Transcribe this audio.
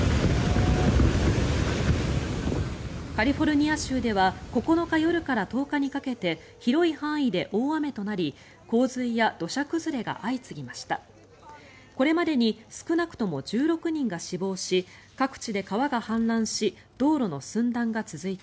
カリフォルニア州では９日夜から１０日にかけて広い範囲で大雨となり洪水や土砂崩れが相次ぎました。